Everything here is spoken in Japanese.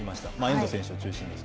遠藤選手を中心に。